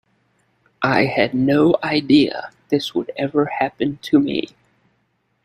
I had no idea this would ever happen to me.